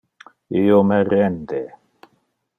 Io me rende.